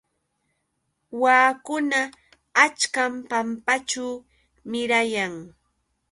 Waakuna achkam pampaćhu mirayan.